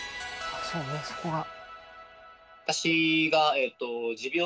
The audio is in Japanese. そうねそこが。